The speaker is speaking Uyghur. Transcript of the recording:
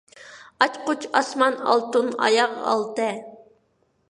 ئاچقۇچ، ئاسمان، ئالتۇن، ئاياغ، ئالتە.